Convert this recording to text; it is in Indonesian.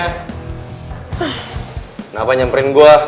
kenapa nyamperin gua